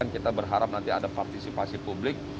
kita berharap nanti ada partisipasi publik